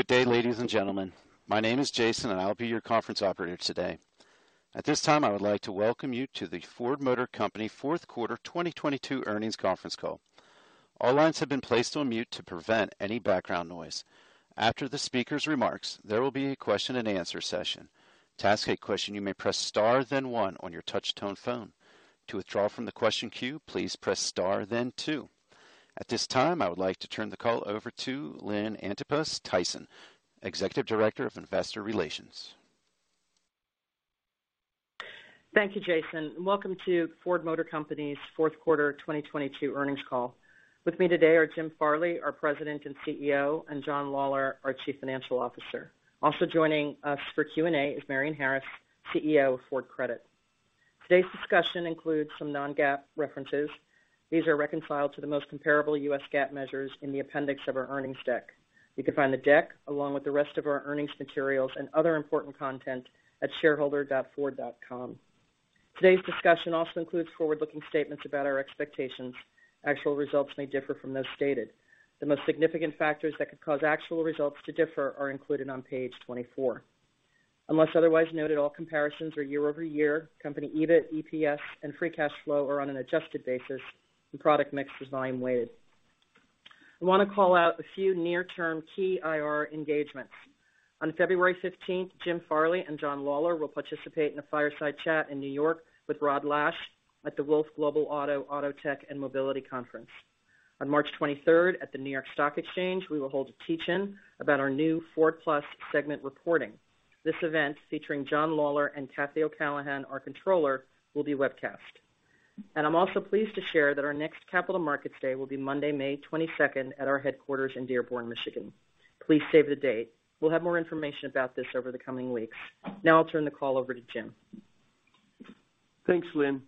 Good day, ladies and gentlemen. My name is Jason, and I'll be your conference operator today. At this time, I would like to welcome you to the Ford Motor Company Q4 2022 earnings conference call. All lines have been placed on mute to prevent any background noise. After the speaker's remarks, there will be a question-and-answer session. To ask a question, you may press star then one on your touch tone phone. To withdraw from the question queue, please press star then two. At this time, I would like to turn the call over to Lynn Antipas Tyson, Executive Director of Investor Relations. Thank you, Jason. Welcome to Ford Motor Company's Q4 2022 earnings call. With me today are Jim Farley, our President and CEO, and John Lawler, our Chief Financial Officer. Also joining us for Q&A is Marion Harris, CEO of Ford Credit. Today's discussion includes some non-GAAP references. These are reconciled to the most comparable U.S. GAAP measures in the appendix of our earnings deck. You can find the deck along with the rest of our earnings materials and other important content at shareholder.ford.com. Today's discussion also includes forward-looking statements about our expectations. Actual results may differ from those stated. The most significant factors that could cause actual results to differ are included on page 24. Unless otherwise noted, all comparisons are year-over-year. Company EBIT, EPS and free cash flow are on an adjusted basis and product mix is volume weighted. I want to call out a few near-term key IR engagements. On February 15th, Jim Farley and John Lawler will participate in a fireside chat in New York with Rod Lache at the Wolfe Global Auto, Auto Tech and Mobility Conference. On March 23rd at the New York Stock Exchange, we will hold a teach-in about our new Ford+ segment reporting. This event, featuring John Lawler and Cathy O'Callaghan, our Controller, will be webcast. I'm also pleased to share that our next Capital Markets Day will be Monday, May 22nd, at our headquarters in Dearborn, Michigan. Please save the date. We'll have more information about this over the coming weeks. Now I'll turn the call over to Jim. Thanks, Lynn.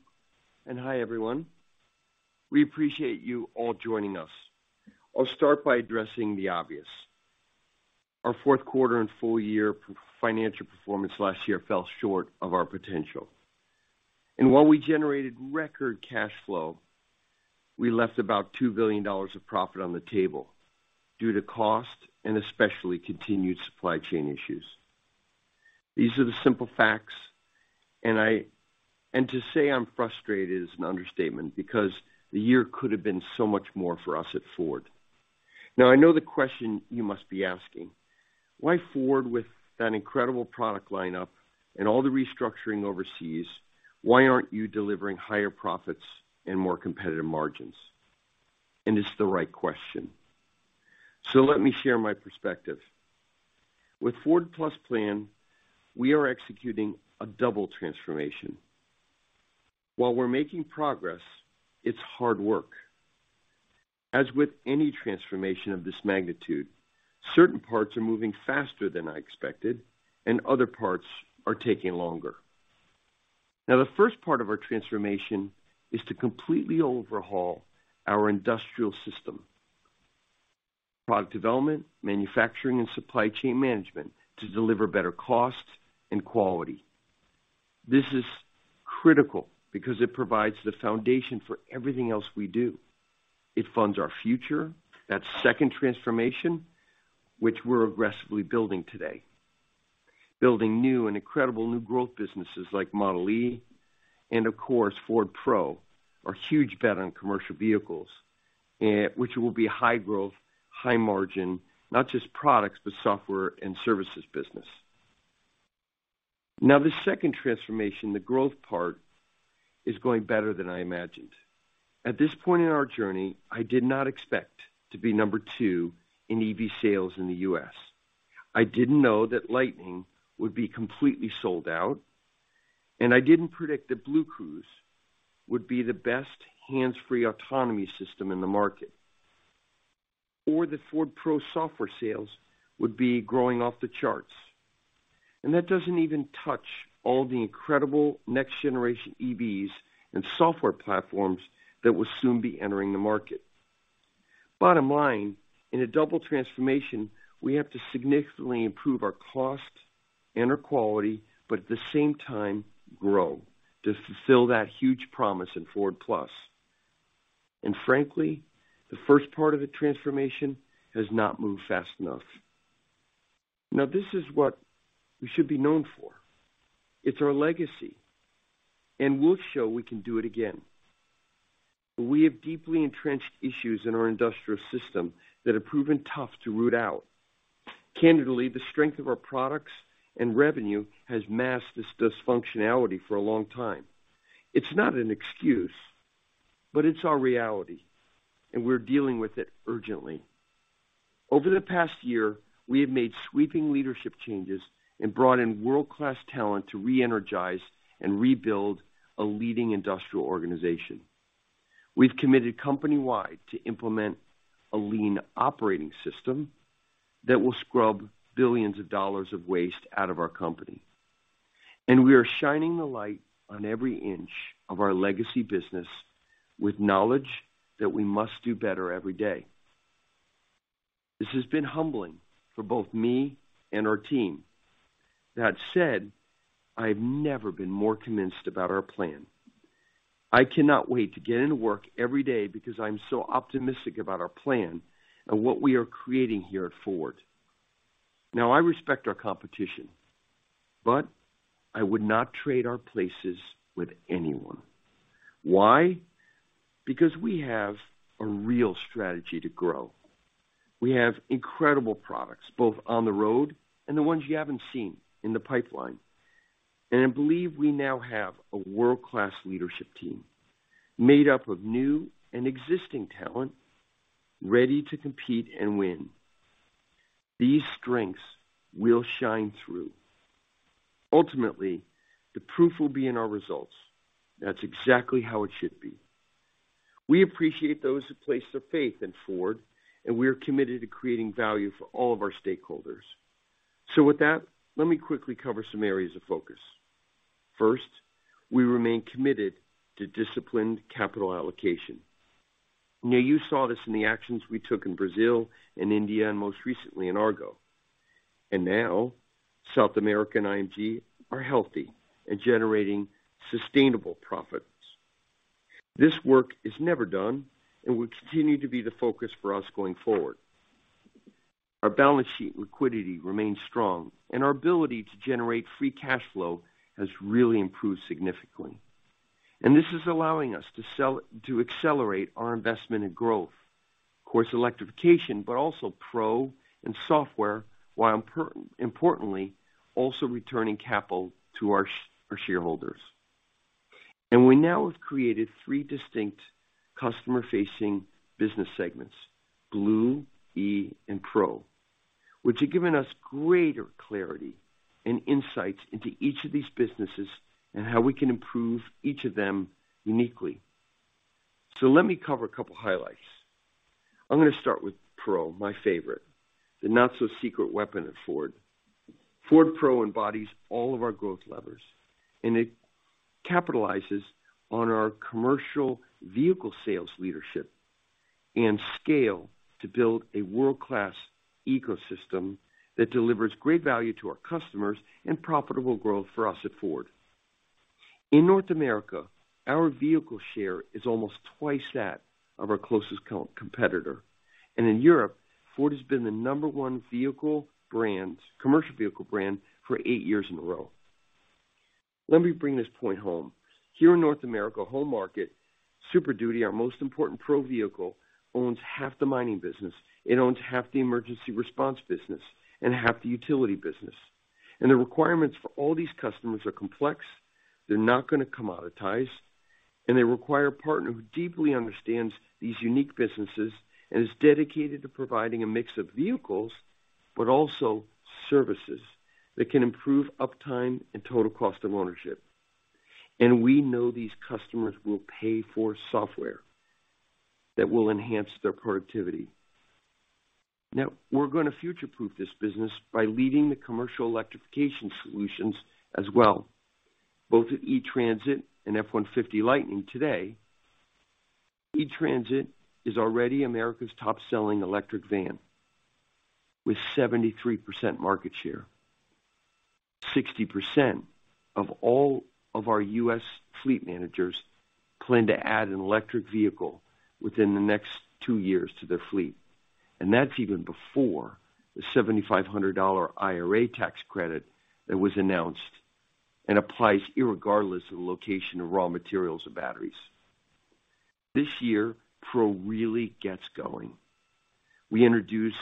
Hi everyone. We appreciate you all joining us. I'll start by addressing the obvious. Our Q4 and full year financial performance last year fell short of our potential. While we generated record cash flow, we left about $2 billion of profit on the table due to cost and especially continued supply chain issues. These are the simple facts, to say I'm frustrated is an understatement because the year could have been so much more for us at Ford. I know the question you must be asking. Why Ford, with that incredible product lineup and all the restructuring overseas, why aren't you delivering higher profits and more competitive margins? It's the right question. Let me share my perspective. With Ford+ plan, we are executing a double transformation. While we're making progress, it's hard work. As with any transformation of this magnitude, certain parts are moving faster than I expected and other parts are taking longer. Now, the first part of our transformation is to completely overhaul our industrial system, product development, manufacturing, and supply chain management to deliver better cost and quality. This is critical because it provides the foundation for everything else we do. It funds our future. That second transformation, which we're aggressively building today, building new and incredible new growth businesses like Ford Model e and of course, Ford Pro. Our huge bet on commercial vehicles, which will be high growth, high margin, not just products, but software and services business. Now the second transformation, the growth part, is going better than I imagined. At this point in our journey, I did not expect to be number two in EV sales in the U.S. I didn't know that Lightning would be completely sold out, and I didn't predict that BlueCruise would be the best hands-free autonomy system in the market, or that Ford Pro software sales would be growing off the charts. That doesn't even touch all the incredible next-generation EVs and software platforms that will soon be entering the market. Bottom line, in a double transformation, we have to significantly improve our cost and our quality, but at the same time grow to fulfill that huge promise in Ford+ and frankly, the first part of the transformation has not moved fast enough. Now, this is what we should be known for. It's our legacy, and we'll show we can do it again. We have deeply entrenched issues in our industrial system that have proven tough to root out. Candidly, the strength of our products and revenue has masked this dysfunctionality for a long time. It's not an excuse, but it's our reality, and we're dealing with it urgently. Over the past year, we have made sweeping leadership changes and brought in world-class talent to re-energize and rebuild a leading industrial organization. We've committed company-wide to implement a lean operating system that will scrub billions of dollars of waste out of our company. We are shining the light on every inch of our legacy business with knowledge that we must do better every day. This has been humbling for both me and our team. That said, I've never been more convinced about our plan. I cannot wait to get into work every day because I'm so optimistic about our plan and what we are creating here at Ford. I respect our competition. I would not trade our places with anyone. Why? We have a real strategy to grow. We have incredible products, both on the road and the ones you haven't seen in the pipeline. I believe we now have a world-class leadership team made up of new and existing talent ready to compete and win. These strengths will shine through. Ultimately, the proof will be in our results. That's exactly how it should be. We appreciate those who place their faith in Ford. We are committed to creating value for all of our stakeholders. With that, let me quickly cover some areas of focus. First, we remain committed to disciplined capital allocation. You saw this in the actions we took in Brazil and India and most recently in Argo. Now South America and IMG are healthy and generating sustainable profits. This work is never done and will continue to be the focus for us going forward. Our balance sheet liquidity remains strong and our ability to generate free cash flow has really improved significantly. This is allowing us to accelerate our investment and growth. Of course, electrification, but also Pro and software, while importantly also returning capital to our shareholders. We now have created three distinct customer-facing business segments, Blue, E, and Pro, which have given us greater clarity and insights into each of these businesses and how we can improve each of them uniquely. Let me cover a couple of highlights. I'm gonna start with Pro, my favorite, the not-so-secret weapon at Ford. Ford Pro embodies all of our growth levers. It capitalizes on our commercial vehicle sales leadership and scale to build a world-class ecosystem that delivers great value to our customers and profitable growth for us at Ford. In North America, our vehicle share is almost twice that of our closest competitor. In Europe, Ford has been the number one vehicle brand, commercial vehicle brand for eight years in a row. Let me bring this point home. Here in North America, home market, Super Duty, our most important Pro vehicle, owns half the mining business. It owns half the emergency response business and half the utility business. The requirements for all these customers are complex. They're not gonna commoditize. They require a partner who deeply understands these unique businesses and is dedicated to providing a mix of vehicles, but also services that can improve uptime and total cost of ownership. We know these customers will pay for software that will enhance their productivity. Now, we're gonna future-proof this business by leading the commercial electrification solutions as well, both at E-Transit and F-150 Lightning today. E-Transit is already America's top-selling electric van with 73% market share. 60% of all of our U.S. fleet managers plan to add an electric vehicle within the next two years to their fleet. That's even before the $7,500 IRA tax credit that was announced and applies regardless of the location of raw materials or batteries. This year, Ford Pro really gets going. We introduce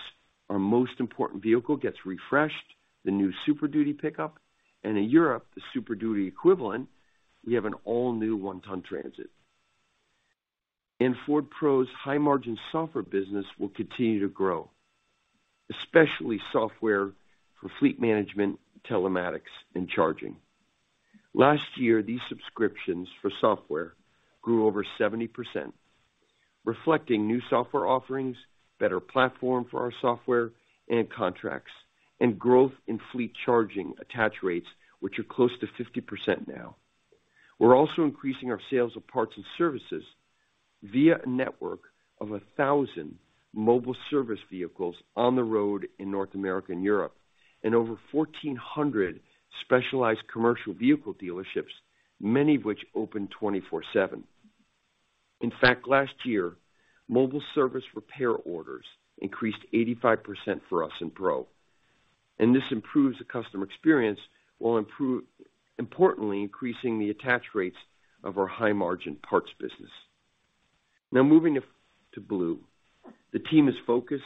our most important vehicle, gets refreshed, the new Super Duty, and in Europe, the Super Duty equivalent, we have an all-new one-ton Transit. Ford Pro's high-margin software business will continue to grow, especially software for fleet management, telematics, and charging. Last year, these subscriptions for software grew over 70%, reflecting new software offerings, better platform for our software and contracts, and growth in fleet charging attach rates, which are close to 50% now. We're also increasing our sales of parts and services via a network of 1,000 mobile service vehicles on the road in North America and Europe, and over 1,400 specialized commercial vehicle dealerships, many of which open 24/7. In fact, last year, mobile service repair orders increased 85% for us in Pro. This improves the customer experience while, importantly, increasing the attach rates of our high-margin parts business. Now moving to Blue. The team is focused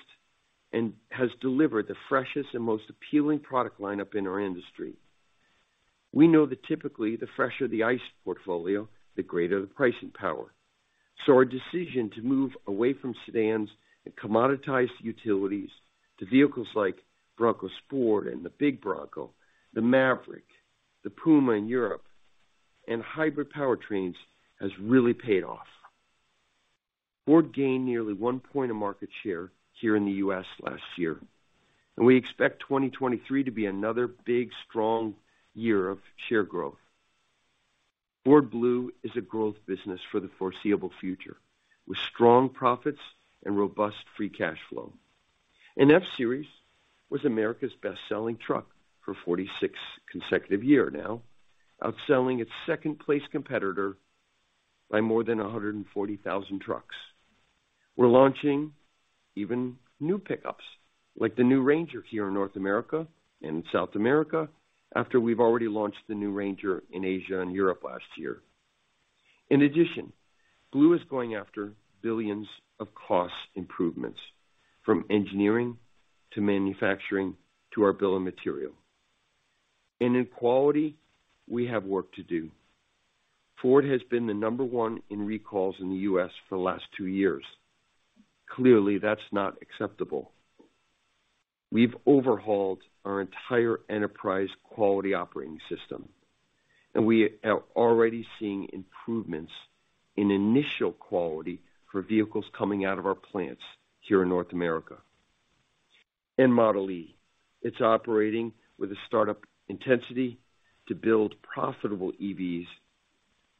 and has delivered the freshest and most appealing product lineup in our industry. We know that typically, the fresher the ICE portfolio, the greater the pricing power. Our decision to move away from sedans and commoditized utilities to vehicles like Bronco Sport and the big Bronco, the Maverick, the Puma in Europe, and hybrid powertrains has really paid off. Ford gained nearly one point of market share here in the U.S. last year, and we expect 2023 to be another big, strong year of share growth. Ford Blue is a growth business for the foreseeable future, with strong profits and robust free cash flow. F-Series was America's best-selling truck for 46 consecutive year now, outselling its second place competitor by more than 140,000 trucks. We're launching even new pickups like the new Ranger here in North America and South America after we've already launched the new Ranger in Asia and Europe last year. In addition, Blue is going after billions of cost improvements, from engineering to manufacturing to our bill of material. In quality, we have work to do. Ford has been the number one in recalls in the U.S. for the last two years. Clearly, that's not acceptable. We've overhauled our entire enterprise quality operating system, and we are already seeing improvements in initial quality for vehicles coming out of our plants here in North America. Model e, it's operating with a startup intensity to build profitable EVs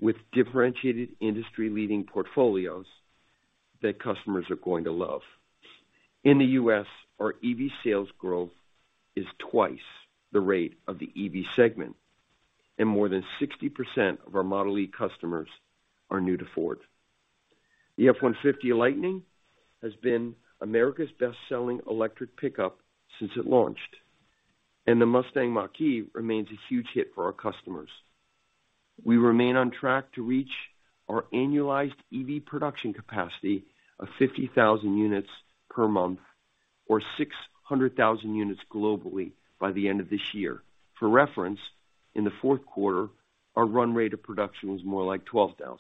with differentiated industry-leading portfolios that customers are going to love. In the U.S., our EV sales growth is twice the rate of the EV segment, and more than 60% of our Model e customers are new to Ford. The F-150 Lightning has been America's best-selling electric pickup since it launched, and the Mustang Mach-E remains a huge hit for our customers. We remain on track to reach our annualized EV production capacity of 50,000 units per month, or 600,000 units globally by the end of this year. For reference, in the Q4, our run rate of production was more like 12,000.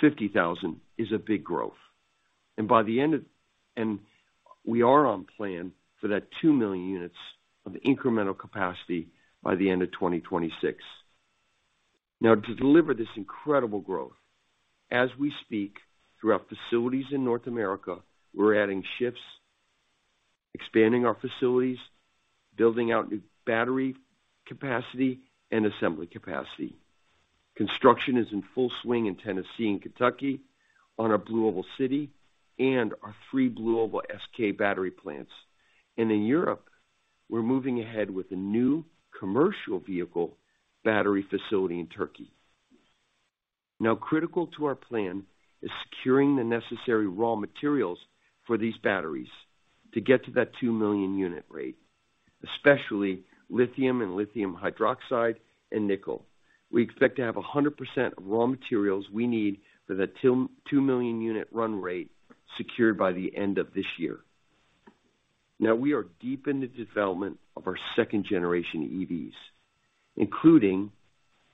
50,000 is a big growth. By the end of... We are on plan for that 2 million units of incremental capacity by the end of 2026. To deliver this incredible growth, as we speak, throughout facilities in North America, we're adding shifts, expanding our facilities, building out new battery capacity and assembly capacity. Construction is in full swing in Tennessee and Kentucky on our BlueOval City and our three BlueOval SK battery plants. In Europe, we're moving ahead with a new commercial vehicle battery facility in Turkey. Critical to our plan is securing the necessary raw materials for these batteries to get to that 2 million unit rate, especially lithium and lithium hydroxide and nickel. We expect to have 100% of raw materials we need for that 2 million unit run rate secured by the end of this year. Now, we are deep in the development of our second-generation EVs, including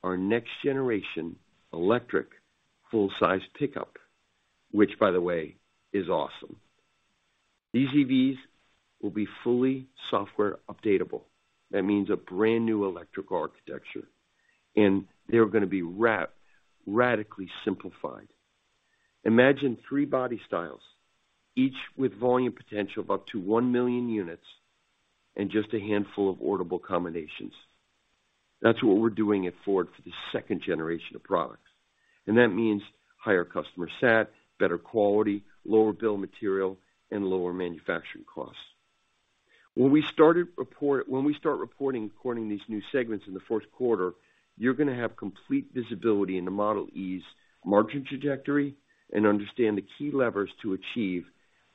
our next-generation electric full-size pickup, which by the way, is awesome. These EVs will be fully software updatable. That means a brand-new electrical architecture, and they're gonna be radically simplified. Imagine three body styles, each with volume potential of up to 1 million units and just a handful of orderable combinations. That's what we're doing at Ford for the second generation of products, and that means higher customer sat, better quality, lower bill material, and lower manufacturing costs. When we start reporting according to these new segments in the Q4, you're gonna have complete visibility into Model e's margin trajectory and understand the key levers to achieve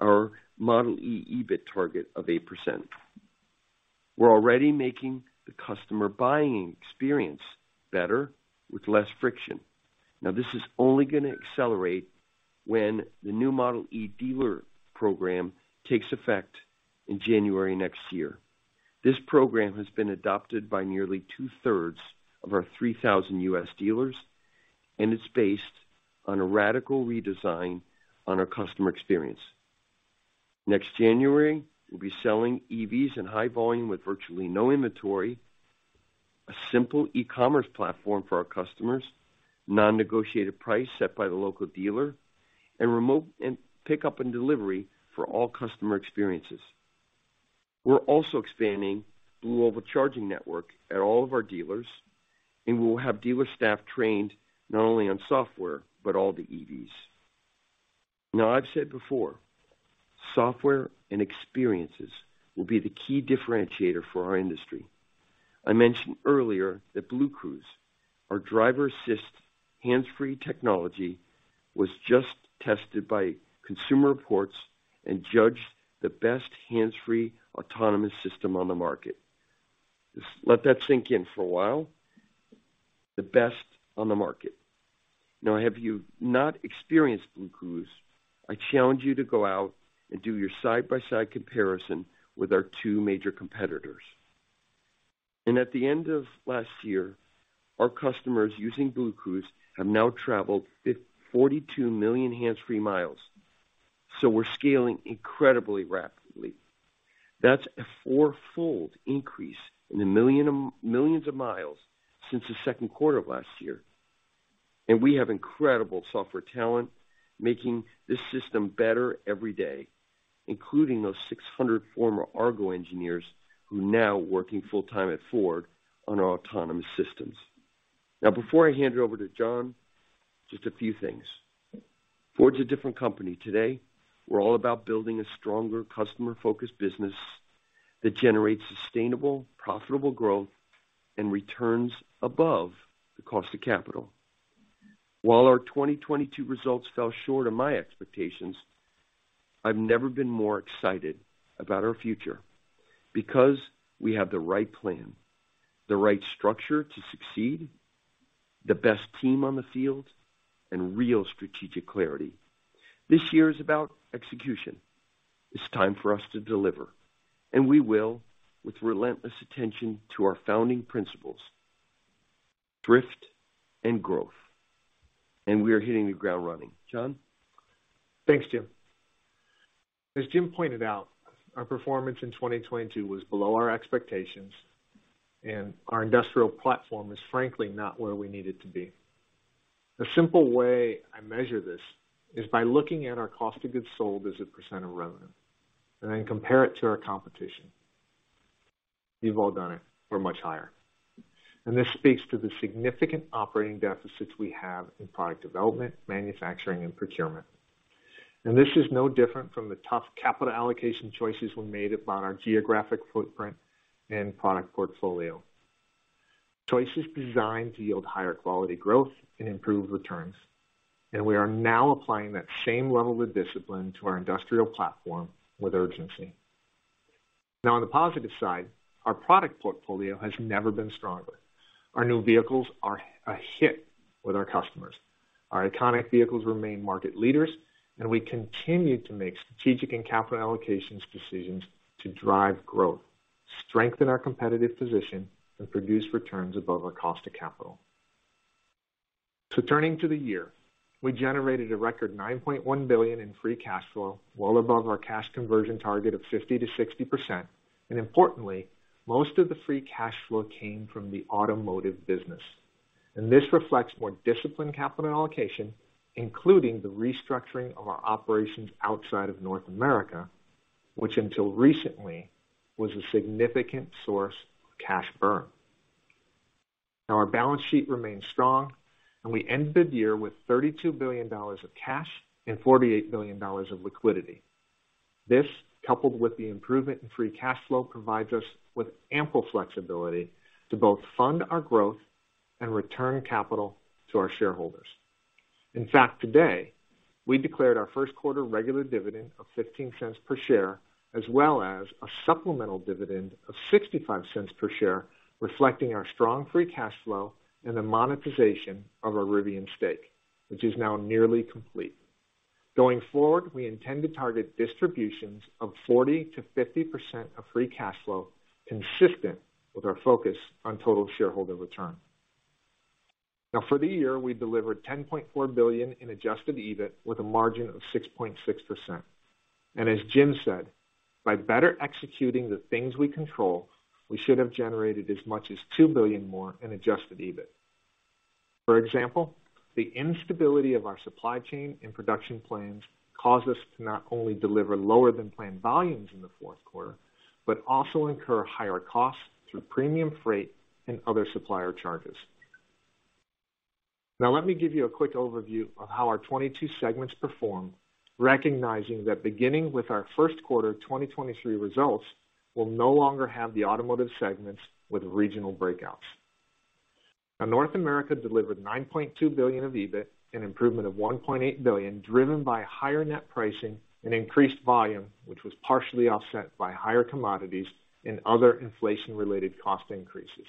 our Model e EBIT target of 8%. We're already making the customer buying experience better with less friction. This is only gonna accelerate when the new Ford Model e dealer program takes effect in January next year. This program has been adopted by nearly two-thirds of our 3,000 U.S. dealers. It's based on a radical redesign on our customer experience. Next January, we'll be selling EVs in high volume with virtually no inventory, a simple e-commerce platform for our customers, non-negotiated price set by the local dealer, and remote, and pickup and delivery for all customer experiences. We're also expanding BlueOval Charge Network at all of our dealers. We'll have dealer staff trained not only on software, but all the EVs. I've said before, software and experiences will be the key differentiator for our industry. I mentioned earlier that BlueCruise, our driver assist hands-free technology, was just tested by Consumer Reports and judged the best hands-free autonomous system on the market. Just let that sink in for a while, the best on the market. Have you not experienced BlueCruise? I challenge you to go out and do your side-by-side comparison with our two major competitors. At the end of last year, our customers using BlueCruise have now traveled 42 million hands-free miles, so we're scaling incredibly rapidly. That's a fourfold increase in the millions of miles since the Q2 of last year. We have incredible software talent making this system better every day, including those 600 former Argo engineers who now working full-time at Ford on our autonomous systems. Before I hand it over to John, just a few things. Ford's a different company today. We're all about building a stronger customer-focused business that generates sustainable, profitable growth and returns above the cost of capital. While our 2022 results fell short of my expectations, I've never been more excited about our future because we have the right plan, the right structure to succeed, the best team on the field, and real strategic clarity. This year is about execution. It's time for us to deliver, and we will, with relentless attention to our founding principles, thrift and growth, and we are hitting the ground running. John? Thanks, Jim. As Jim pointed out, our performance in 2022 was below our expectations. Our industrial platform is frankly not where we need it to be. The simple way I measure this is by looking at our cost of goods sold as a percent of revenue, then compare it to our competition. We've all done it. We're much higher. This speaks to the significant operating deficits we have in product development, manufacturing, and procurement. This is no different from the tough capital allocation choices we made about our geographic footprint and product portfolio. Choices designed to yield higher quality growth and improve returns. We are now applying that same level of discipline to our industrial platform with urgency. Now on the positive side, our product portfolio has never been stronger. Our new vehicles are a hit with our customers. Our iconic vehicles remain market leaders. We continue to make strategic and capital allocations decisions to drive growth, strengthen our competitive position, and produce returns above our cost of capital. Turning to the year, we generated a record $9.1 billion in free cash flow, well above our cash conversion target of 50%-60%. Importantly, most of the free cash flow came from the automotive business. This reflects more disciplined capital allocation, including the restructuring of our operations outside of North America, which until recently was a significant source of cash burn. Now our balance sheet remains strong. We ended the year with $32 billion of cash and $48 billion of liquidity. This, coupled with the improvement in free cash flow, provides us with ample flexibility to both fund our growth and return capital to our shareholders. In fact, today, we declared our Q1 regular dividend of $0.15 per share, as well as a supplemental dividend of $0.65 per share, reflecting our strong free cash flow and the monetization of our Rivian stake, which is now nearly complete. Going forward, we intend to target distributions of 40%-50% of free cash flow consistent with our focus on total shareholder return. For the year, we delivered $10.4 billion in adjusted EBIT with a margin of 6.6%. As Jim said, by better executing the things we control, we should have generated as much as $2 billion more in adjusted EBIT. For example, the instability of our supply chain and production plans caused us to not only deliver lower than planned volumes in the Q4, but also incur higher costs through premium freight and other supplier charges. Let me give you a quick overview of how our 22 segments performed, recognizing that beginning with our Q1 2023 results, we'll no longer have the automotive segments with regional breakouts. North America delivered $9.2 billion of EBIT, an improvement of $1.8 billion, driven by higher net pricing and increased volume, which was partially offset by higher commodities and other inflation-related cost increases.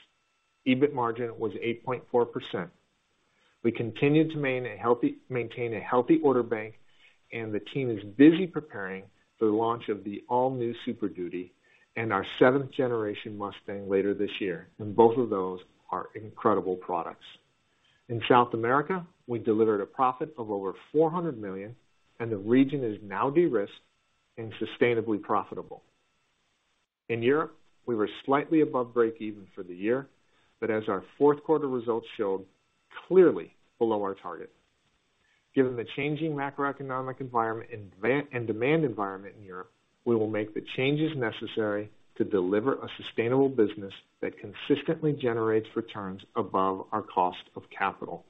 EBIT margin was 8.4%. We continue to maintain a healthy order bank, and the team is busy preparing for the launch of the all-new Super Duty and our seventh generation Mustang later this year, and both of those are incredible products. In South America, we delivered a profit of over $400 million and the region is now de-risked and sustainably profitable. In Europe, we were slightly above breakeven for the year, but as our Q4 results showed, clearly below our target. Given the changing macroeconomic environment and demand environment in Europe, we will make the changes necessary to deliver a sustainable business that consistently generates returns above our cost of capital.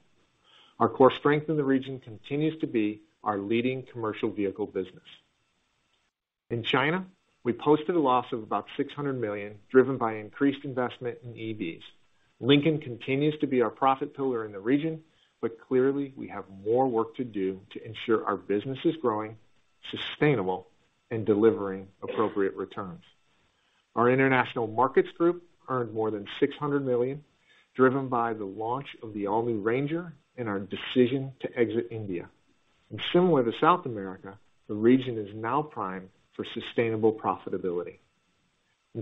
Our core strength in the region continues to be our leading commercial vehicle business. In China, we posted a loss of about $600 million, driven by increased investment in EVs. Lincoln continues to be our profit pillar in the region, but clearly we have more work to do to ensure our business is growing, sustainable, and delivering appropriate returns. Our international markets group earned more than $600 million, driven by the launch of the all-new Ranger and our decision to exit India. Similar to South America, the region is now primed for sustainable profitability.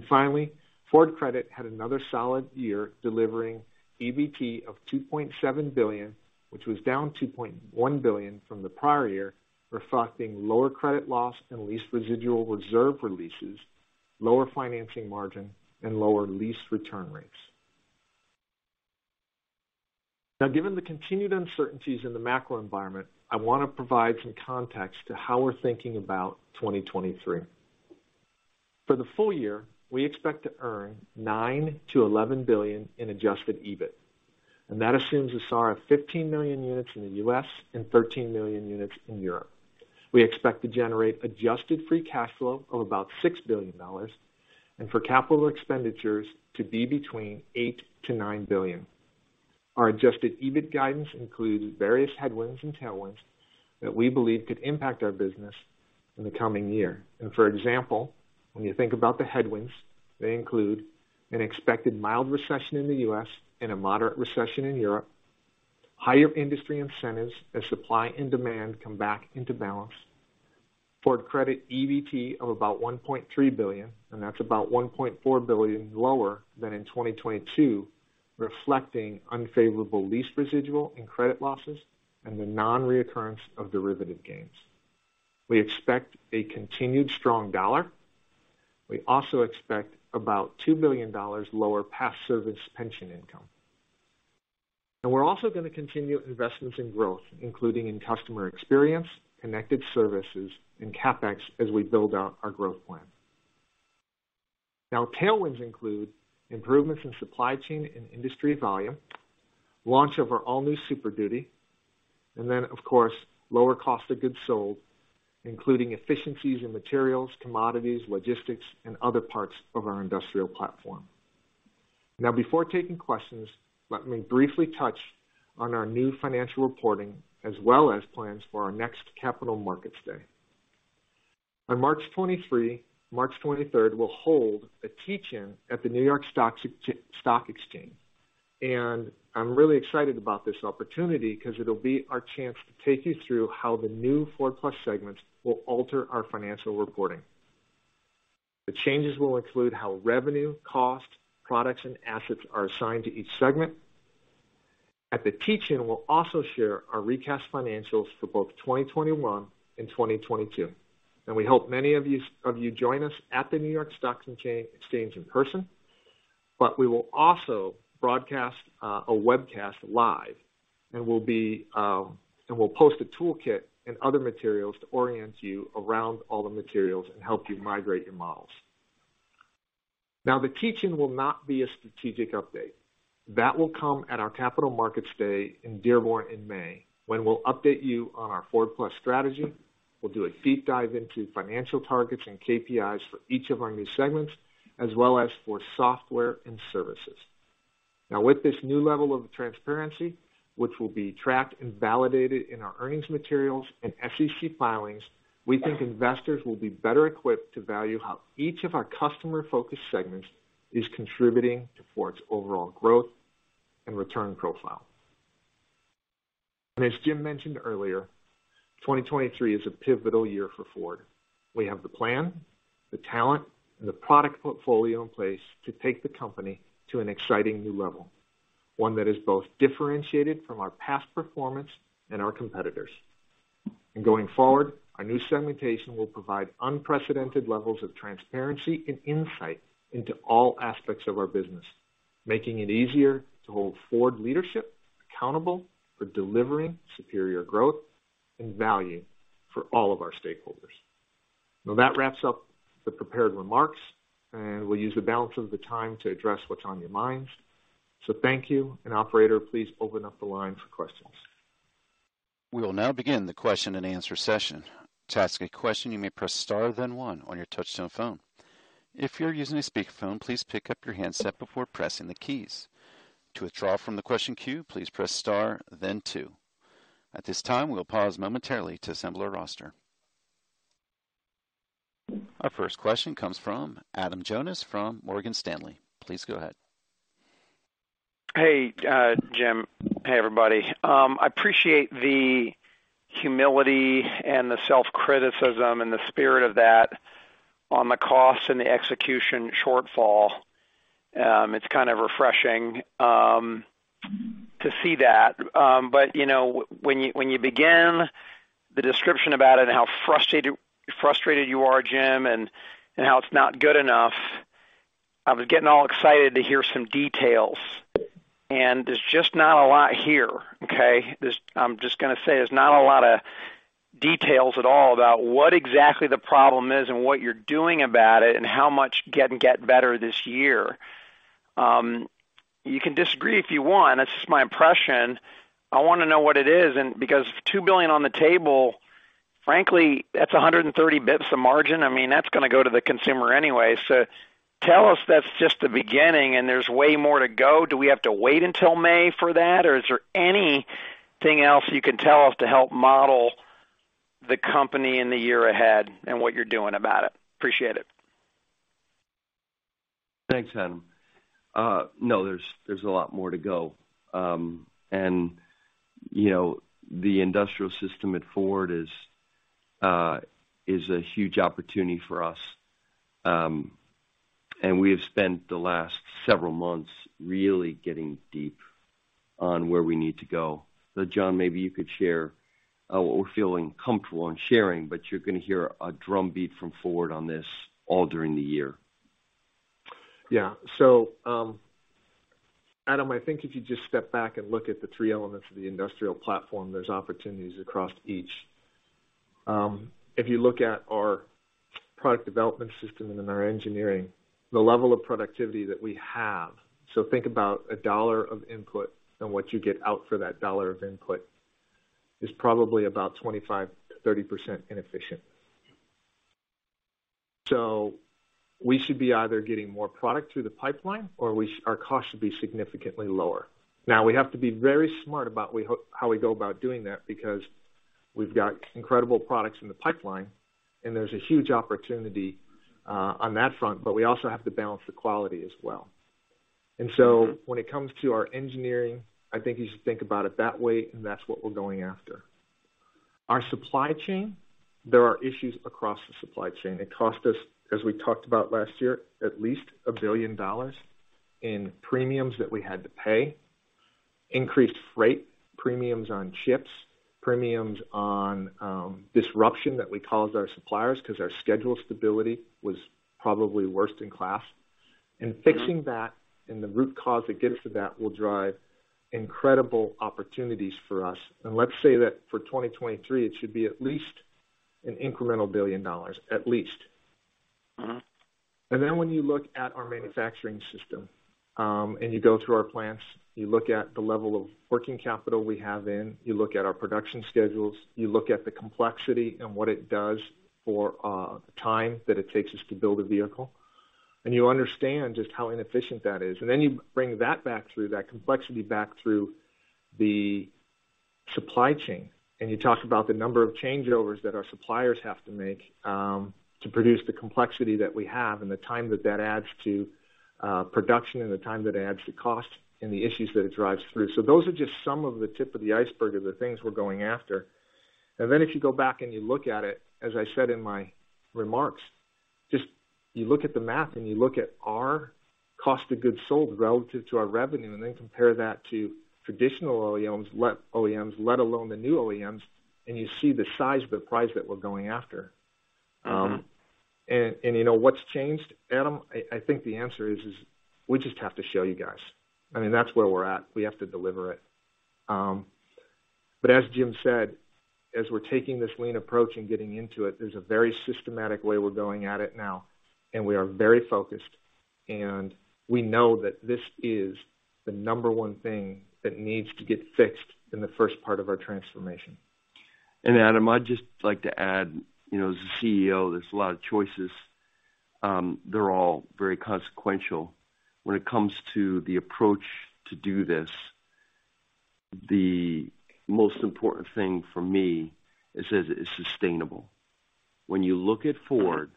Finally, Ford Credit had another solid year delivering EBT of $2.7 billion, which was down $2.1 billion from the prior year, reflecting lower credit loss and lease residual reserve releases, lower financing margin, and lower lease return rates. Now, given the continued uncertainties in the macro environment, I wanna provide some context to how we're thinking about 2023. For the full year, we expect to earn $9 billion-$11 billion in adjusted EBIT, and that assumes a SAR of 15 million units in the US and 13 million units in Europe. We expect to generate adjusted free cash flow of about $6 billion and for capital expenditures to be between $8 billion-$9 billion. Our adjusted EBIT guidance includes various headwinds and tailwinds that we believe could impact our business in the coming year. For example, when you think about the headwinds, they include an expected mild recession in the U.S. and a moderate recession in Europe, higher industry incentives as supply and demand come back into balance. Ford Credit EBT of about $1.3 billion. That's about $1.4 billion lower than in 2022, reflecting unfavorable lease residual and credit losses and the non-reoccurrence of derivative gains. We expect a continued strong dollar. We also expect about $2 billion lower past service pension income. We're also gonna continue investments in growth, including in customer experience, connected services, and CapEx as we build out our growth plan. Tailwinds include improvements in supply chain and industry volume, launch of our all-new Super Duty, of course, lower cost of goods sold, including efficiencies in materials, commodities, logistics, and other parts of our industrial platform. Now before taking questions, let me briefly touch on our new financial reporting as well as plans for our next Capital Markets Day. On March 23rd, we'll hold a teach-in at the New York Stock Exchange. I'm really excited about this opportunity 'cause it'll be our chance to take you through how the new Ford+ segments will alter our financial reporting. The changes will include how revenue, cost, products, and assets are assigned to each segment. At the teach-in, we'll also share our recast financials for both 2021 and 2022, and we hope many of you join us at the New York Stock Exchange in person. We will also broadcast a webcast live and we'll post a toolkit and other materials to orient you around all the materials and help you migrate your models. The teach-in will not be a strategic update. That will come at our Capital Markets Day in Dearborn in May when we'll update you on our Ford+ strategy, we'll do a deep dive into financial targets and KPIs for each of our new segments, as well as for software and services. With this new level of transparency, which will be tracked and validated in our earnings materials and SEC filings, we think investors will be better equipped to value how each of our customer-focused segments is contributing to Ford's overall growth and return profile. As Jim mentioned earlier, 2023 is a pivotal year for Ford. We have the plan, the talent, and the product portfolio in place to take the company to an exciting new level, one that is both differentiated from our past performance and our competitors. Going forward, our new segmentation will provide unprecedented levels of transparency and insight into all aspects of our business, making it easier to hold Ford leadership accountable for delivering superior growth and value for all of our stakeholders. That wraps up the prepared remarks, and we'll use the balance of the time to address what's on your minds. Thank you, and operator, please open up the line for questions. We will now begin the question-and-answer session. To ask a question, you may press star, then one on your touchtone phone. If you're using a speakerphone, please pick up your handset before pressing the keys. To withdraw from the question queue, please press star, then two. At this time, we'll pause momentarily to assemble our roster. Our first question comes from Adam Jonas from Morgan Stanley. Please go ahead. Hey, Jim. Hey, everybody. I appreciate the humility and the self-criticism and the spirit of that on the cost and the execution shortfall. It's kind of refreshing to see that. You know, when you, when you begin the description about it and how frustrated you are, Jim, and how it's not good enough, I was getting all excited to hear some details, and there's just not a lot here, okay? I'm just gonna say there's not a lot of details at all about what exactly the problem is and what you're doing about it and how much can get better this year. You can disagree if you want. That's just my impression. I wanna know what it is and because $2 billion on the table, frankly, that's 130 basis points of margin. I mean, that's gonna go to the consumer anyway. Tell us that's just the beginning and there's way more to go. Do we have to wait until May for that, or is there anything else you can tell us to help model the company in the year ahead and what you're doing about it? Appreciate it. Thanks, Adam. No, there's a lot more to go. You know, the industrial system at Ford is a huge opportunity for us. We have spent the last several months really getting deep on where we need to go. John, maybe you could share what we're feeling comfortable in sharing, but you're gonna hear a drumbeat from Ford on this all during the year. Yeah. Adam, I think if you just step back and look at the three elements of the industrial platform, there's opportunities across each. If you look at our product development system and in our engineering, the level of productivity that we have. Think about a $1 of input and what you get out for that $1 of input is probably about 25%-30% inefficient. We should be either getting more product through the pipeline or our costs should be significantly lower. We have to be very smart about how we go about doing that because we've got incredible products in the pipeline, and there's a huge opportunity on that front, but we also have to balance the quality as well. When it comes to our engineering, I think you should think about it that way, and that's what we're going after. Our supply chain, there are issues across the supply chain. It cost us, as we talked about last year, at least $1 billion in premiums that we had to pay, increased freight premiums on ships, premiums on disruption that we caused our suppliers because our schedule stability was probably worst in class. Fixing that and the root cause that gets to that will drive incredible opportunities for us. Let's say that for 2023, it should be at least an incremental $1 billion, at least. Mm-hmm. When you look at our manufacturing system, and you go through our plants, you look at the level of working capital we have in, you look at our production schedules, you look at the complexity and what it does for time that it takes us to build a vehicle, and you understand just how inefficient that is. You bring that back through, that complexity back through the supply chain, and you talk about the number of changeovers that our suppliers have to make, to produce the complexity that we have and the time that adds to production and the time that adds to cost and the issues that it drives through. Those are just some of the tip of the iceberg of the things we're going after. If you go back and you look at it, as I said in my remarks, just you look at the math and you look at our cost of goods sold relative to our revenue, then compare that to traditional OEMs, let alone the new OEMs, you see the size of the prize that we're going after. You know what's changed, Adam, I think the answer is we just have to show you guys. I mean, that's where we're at. We have to deliver it. As Jim said, as we're taking this lean approach and getting into it, there's a very systematic way we're going at it now, we are very focused, we know that this is the number one thing that needs to get fixed in the first part of our transformation. Adam, I'd just like to add, you know, as a CEO, there's a lot of choices. They're all very consequential. When it comes to the approach to do this, the most important thing for me is that it's sustainable. When you look at Ford,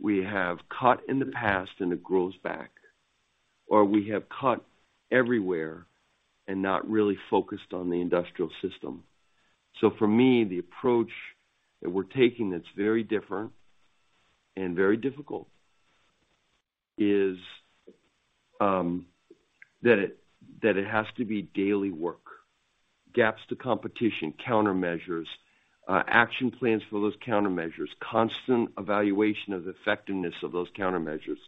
we have cut in the past and it grows back, or we have cut everywhere and not really focused on the industrial system. For me, the approach that we're taking that's very different and very difficult is that it has to be daily work. Gaps to competition, countermeasures, action plans for those countermeasures, constant evaluation of effectiveness of those countermeasures,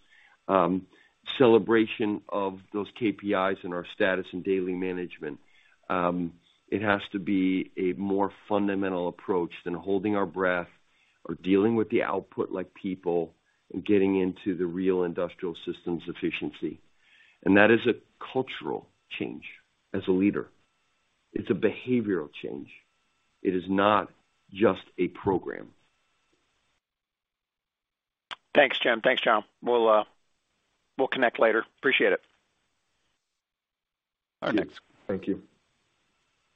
celebration of those KPIs and our status in daily management. It has to be a more fundamental approach than holding our breath or dealing with the output like people and getting into the real industrial systems efficiency. That is a cultural change as a leader. It's a behavioral change. It is not just a program. Thanks, Jim. Thanks, John. We'll connect later. Appreciate it. Our next- Thank you.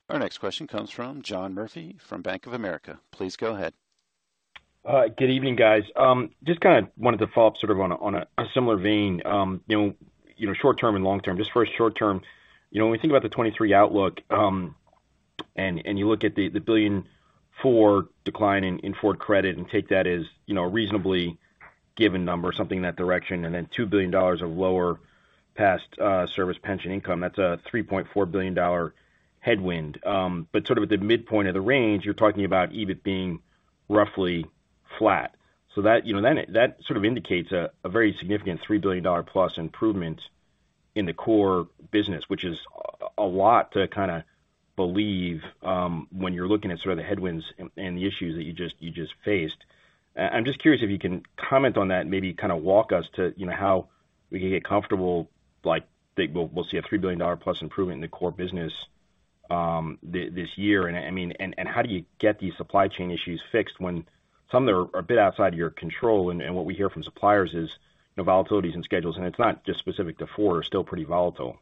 Our next question comes from John Murphy from Bank of America. Please go ahead. Good evening, guys. Just kinda wanted to follow up sort of on a similar vein, you know, short-term and long-term. Just first short-term, you know, when we think about the 2023 outlook, and you look at the $1 billion Ford decline in Ford Credit and take that as, you know, a reasonably given number, something in that direction, and then $2 billion of lower past service pension income, that's a $3.4 billion headwind. Sort of at the midpoint of the range, you're talking about EBIT being roughly flat. That, you know, that sort of indicates a very significant $3 billion+ improvement in the core business, which is a lot to kind of believe when you're looking at sort of the headwinds and the issues that you just faced. I'm just curious if you can comment on that and maybe kind of walk us to, you know, how we can get comfortable, like, that we'll see a $3 billion+ improvement in the core business this year. I mean, and how do you get these supply chain issues fixed when some that are a bit outside of your control, and what we hear from suppliers is the volatility in schedules, and it's not just specific to Ford, are still pretty volatile.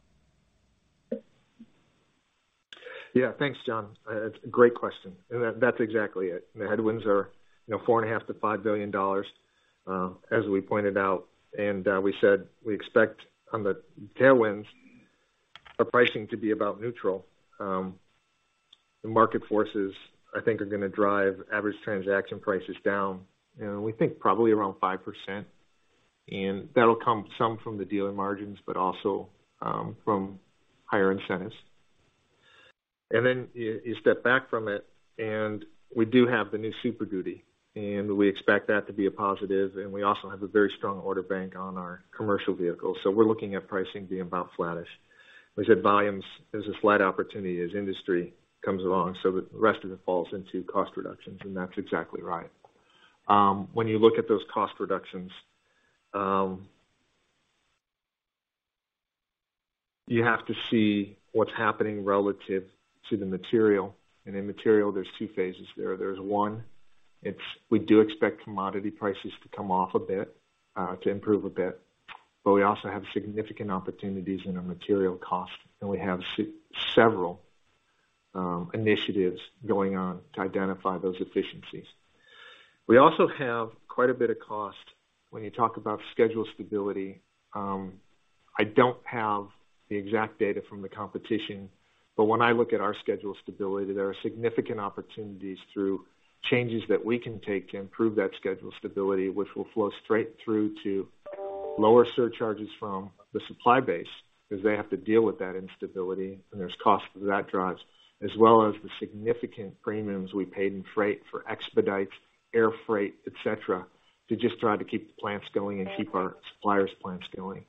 Yeah. Thanks, John. It's a great question. That, that's exactly it. The headwinds are, you know, four and a half billion dollars-$5 billion, as we pointed out, we said we expect on the tailwinds, our pricing to be about neutral. The market forces, I think, are gonna drive average transaction prices down, you know, we think probably around 5%. That'll come some from the dealer margins but also, from higher incentives. You step back from it, and we do have the new Super Duty, and we expect that to be a positive. We also have a very strong order bank on our commercial vehicles. We're looking at pricing being about flattish. We said volumes is a slight opportunity as industry comes along, so the rest of it falls into cost reductions. That's exactly right. When you look at those cost reductions, you have to see what's happening relative to the material. In material, there's two phases there. There's one, it's we do expect commodity prices to come off a bit, to improve a bit, but we also have significant opportunities in our material cost, and we have several initiatives going on to identify those efficiencies. We also have quite a bit of cost when you talk about schedule stability. I don't have the exact data from the competition, but when I look at our schedule stability, there are significant opportunities through changes that we can take to improve that schedule stability, which will flow straight through to lower surcharges from the supply base, because they have to deal with that instability. There's cost that drives, as well as the significant premiums we paid in freight for expedites, air freight, et cetera, to just try to keep the plants going and keep our suppliers' plants going.